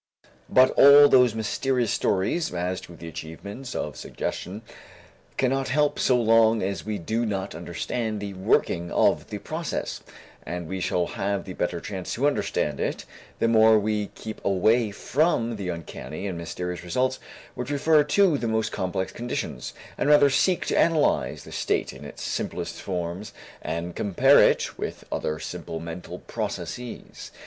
But all those mysterious stories as to the achievements of suggestion cannot help so long as we do not understand the working of the process, and we shall have the better chance to understand it the more we keep away from the uncanny and mysterious results which refer to the most complex conditions, and rather seek to analyze the state in its simplest forms and compare it with other simple mental processes.